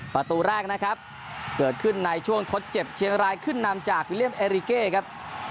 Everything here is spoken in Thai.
ประตูแรกนะครับเกิดขึ้นในช่วงทดเจ็บเชียงรายขึ้นนำจากวิลเลียมเอริเก้ครับ